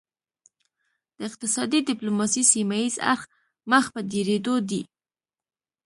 د اقتصادي ډیپلوماسي سیمه ایز اړخ مخ په ډیریدو دی